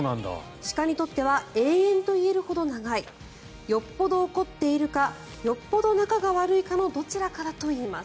鹿にとっては永遠といえるほど長いよっぽど怒っているかよっぽど仲が悪いかのどちらかだといいます。